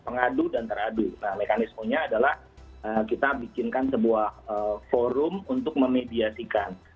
nah mekanismenya adalah kita bikinkan sebuah forum untuk memediasikan